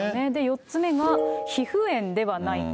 ４つ目が、皮膚炎ではないか。